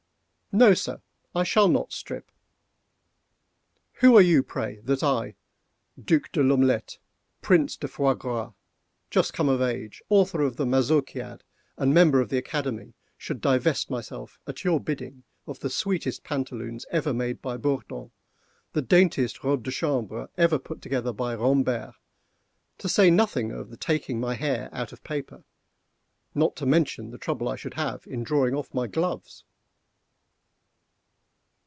no, sir, I shall not strip. Who are you, pray, that I, Duc De L'Omelette, Prince de Foie Gras, just come of age, author of the 'Mazurkiad,' and Member of the Academy, should divest myself at your bidding of the sweetest pantaloons ever made by Bourdon, the daintiest robe de chambre ever put together by Rombêrt—to say nothing of the taking my hair out of paper—not to mention the trouble I should have in drawing off my gloves?"